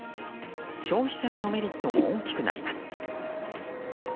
消費者へのメリットも大きくなります。